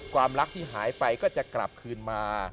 ความรักที่หายไปก็จะกลับคืนมา